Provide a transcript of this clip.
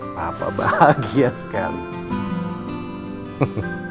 papa bahagia sekali